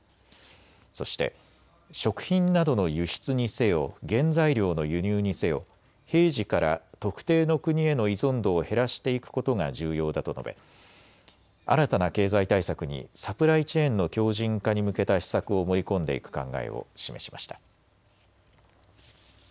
そして食品などの輸出にせよ、原材料の輸入にせよ、平時から特定の国への依存度を減らしていくことが重要だと述べ新たな経済対策にサプライチェーンの強じん化に向けた施策を盛り込んでいく考えを示しました。